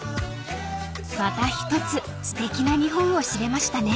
［また一つすてきな日本を知れましたね］